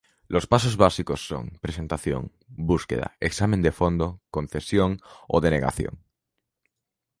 Los pasos básicos son: Presentación, búsqueda, examen de fondo, concesión o denegación.